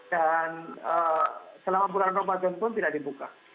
dan selama bulan ramadan pun tidak dibuka